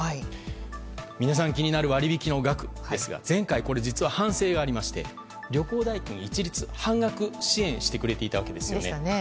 皆さん、気になる割引の額ですが前回、実は反省がありまして旅行代金を一律半額支援をしてくれていたわけです。